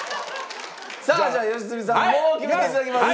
さあじゃあ良純さんもう決めていただきます。